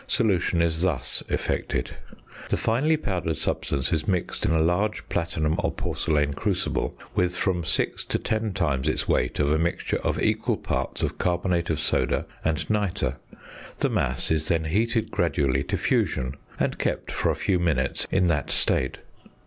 solution is thus effected: The finely powdered substance is mixed (in a large platinum or porcelain crucible) with from six to ten times its weight of a mixture of equal parts of carbonate of soda and nitre. The mass is then heated gradually to fusion, and kept for a few minutes in that state.